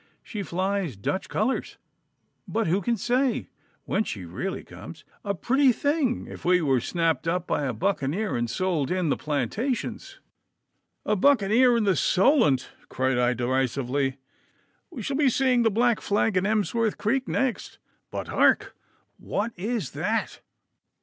She flies Dutch colours, but who can say whence she really comes? A pretty thing if we were snapped up by a buccaneer and sold in the Plantations!' 'A buccaneer in the Solent!' cried I derisively. 'We shall be seeing the black flag in Emsworth Creek next. But hark! What is that?